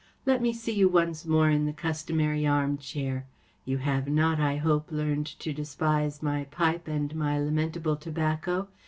Let me see you once more in the customary armchair. You have not, I hope, learned to despise my pipe and my lamentable tobaccc